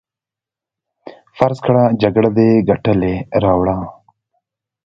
فرض کړه جګړه دې ګټلې راوړه.